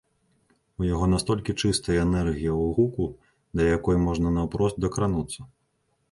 У яго настолькі чыстая энергія ў гуку, да якой можна наўпрост дакрануцца!